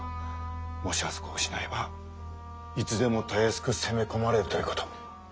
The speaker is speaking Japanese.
もしあそこを失えばいつでもたやすく攻め込まれるということ。